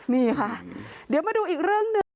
นี่ค่ะเดี๋ยวมาดูอีกเรื่องหนึ่ง